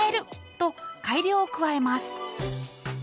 と改良を加えます。